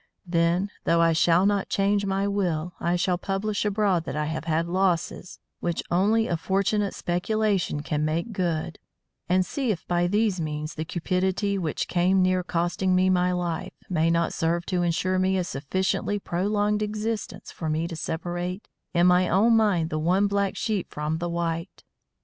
Then, though I shall not change my will, I shall publish abroad that I have had losses which only a fortunate speculation can make good, and see if by these means the cupidity which came near costing me my life may not serve to insure me a sufficiently prolonged existence for me to separate in my own mind the one black sheep from the white.